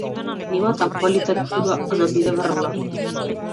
Нема таква литература, а да биде врвна.